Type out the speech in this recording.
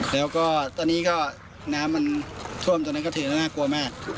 แล้วก็ตอนนี้ก็น้ำมันท่วมตอนนั้นก็ถือว่าน่ากลัวมาก